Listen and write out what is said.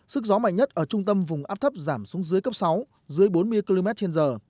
sức gió mạnh nhất ở trung tâm vùng áp thấp giảm xuống dưới cấp sáu dưới bốn mươi km trên giờ